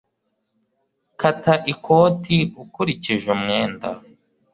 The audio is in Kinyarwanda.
Kata ikoti ukurikije umwenda